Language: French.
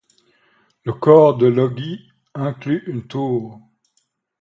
Le corps de logis inclut une tour.